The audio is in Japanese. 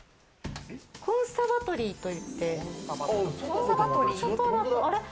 コンサバトリーって。